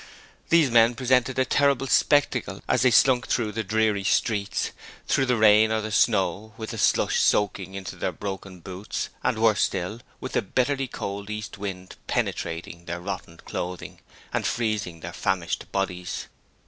These men presented a terrible spectacle as they slunk through the dreary streets, through the rain or the snow, with the slush soaking into their broken boots, and, worse still, with the bitterly cold east wind penetrating their rotten clothing and freezing their famished bodies.